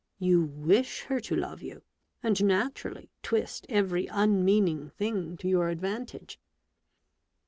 "You wish her to love you, and naturally twist every unmeaning thing to your advantage."